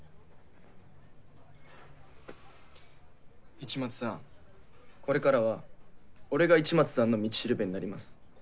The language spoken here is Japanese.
市松さんこれからは俺が市松さんの道しるべになります。